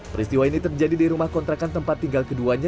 peristiwa ini terjadi di rumah kontrakan tempat tinggal keduanya